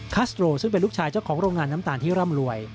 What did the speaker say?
ัสโรซึ่งเป็นลูกชายเจ้าของโรงงานน้ำตาลที่ร่ำรวย